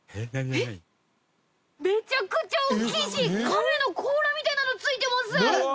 めちゃくちゃ大きいし亀の甲羅みたいなのついてます！